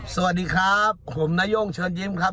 สวัสดีครับผมนาย่งเชิญยิ้มครับ